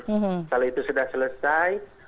setelah itu sudah selesai